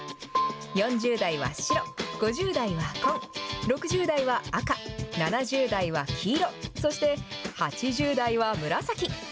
４０代は白、５０代は紺、６０代は赤、７０代は黄色、そして８０代は紫。